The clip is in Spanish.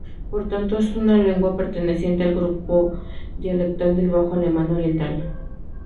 Por tanto, es una lengua perteneciente al grupo dialectal del bajo alemán oriental.